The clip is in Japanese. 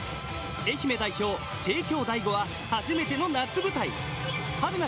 愛媛代表・帝京第五は初めての夏舞台。